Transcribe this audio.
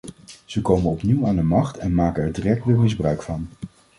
Ze komen opnieuw aan de macht en maken er direct weer misbruik van.